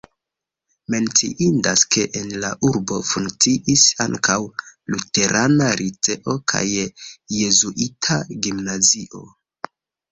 Menciindas, ke en la urbo funkciis ankaŭ luterana liceo kaj jezuita gimnazio.